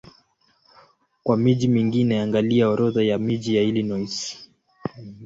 Kwa miji mingine angalia Orodha ya miji ya Illinois.